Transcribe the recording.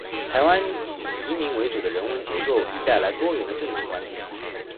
台湾以移民为主的人文结构，亦带来多元的政治观点。